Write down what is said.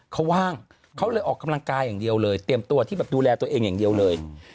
เขาว่างเขาเลยออกกำลังกายอย่างเดียวเลยเตรียมตัวที่แบบดูแลตัวเองอย่างเดียวเลย